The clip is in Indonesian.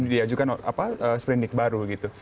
diajukan sprinting baru gitu